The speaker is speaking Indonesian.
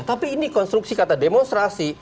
tapi ini konstruksi kata demonstrasi